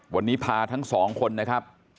วันนี้พาทั้งสองคนนะครับ